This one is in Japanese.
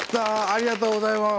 ありがとうございます！